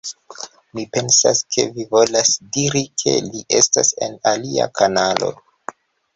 Mi pensas, ke vi volas diri, ke li estas en alia kanalo